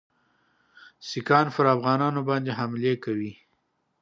سیکهان پر افغانانو باندي حملې کوي.